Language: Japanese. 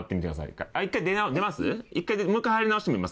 一回もう一回入り直してみますか？